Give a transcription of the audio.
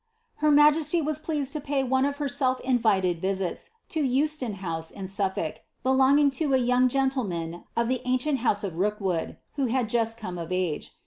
Her majesty was pleased lo pay otie of her self invited visits lo Euslon Hall, in SulTolk, belonging to a young gentleman of ihe ancient houK of Rookwood, who had just come of age.